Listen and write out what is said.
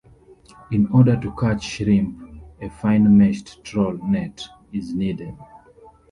In order to catch shrimp, a fine meshed trawl net is needed.